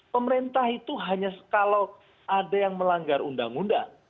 pemerintah itu hanya kalau ada yang melanggar undang undang